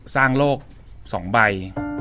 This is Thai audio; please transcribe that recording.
สร้างโลก๒ใบ